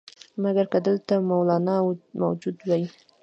مګر که دلته مولنا موجود وي.